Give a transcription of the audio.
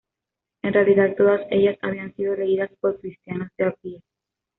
En realidad, todas ellas habían sido leídas por cristianos de a pie.